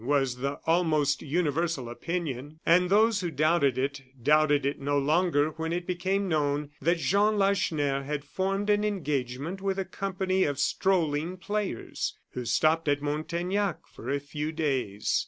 was the almost universal opinion. And those who doubted it, doubted it no longer when it became known that Jean Lacheneur had formed an engagement with a company of strolling players who stopped at Montaignac for a few days.